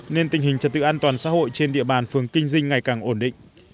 nên tình hình trật tự an toàn xã hội trên địa bàn phường kinh dinh ngày càng ổn định